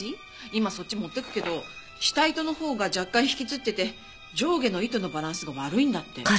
今そっち持っていくけど下糸のほうが若干引きつってて上下の糸のバランスが悪いんだって。